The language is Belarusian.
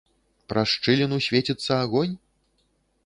Праз шчыліну свеціцца агонь?